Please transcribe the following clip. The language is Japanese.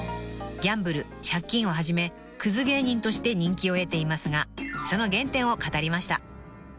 ［ギャンブル借金をはじめクズ芸人として人気を得ていますがその原点を語りました］